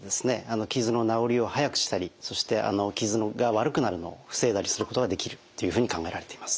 傷の治りを早くしたりそして傷が悪くなるのを防いだりすることができるっていうふうに考えられています。